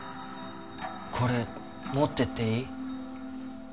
これ持ってっていい？